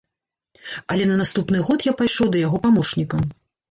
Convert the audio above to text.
Але на наступны год я пайшоў да яго памочнікам.